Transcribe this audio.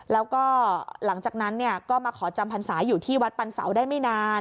แล้วก็หลังจากนั้นก็มาขอจำพรรษาอยู่ที่วัดปันเสาได้ไม่นาน